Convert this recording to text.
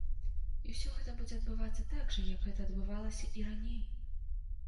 І ўсё гэта будзе адбывацца так жа як гэта адбывалася і раней.